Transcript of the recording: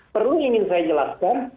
perlu ingin saya jelaskan